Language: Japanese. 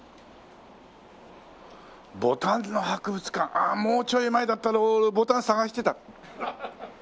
「ボタンの博物館」ああもうちょい前だったら俺ボタン探してた。